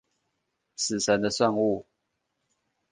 死神的聖物